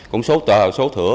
cũng số thửa